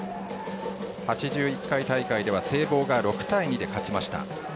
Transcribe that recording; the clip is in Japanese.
８１回大会では聖望が６対２で勝ちました。